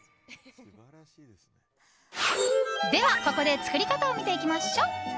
では、ここで作り方を見ていきましょう。